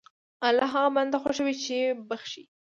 الله هغه بنده خوښوي چې بخښي.